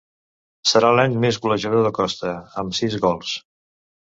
Serà l'any més golejador de Costa, amb sis gols.